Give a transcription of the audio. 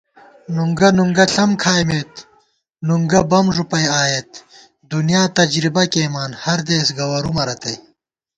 نُنگہ نُنگہ ݪم کھائیمېت، نُنگہ بم ݫُپی آئېت * دُنیا تجربہ کېئیمان ہردېس گوَرُومہ رتئ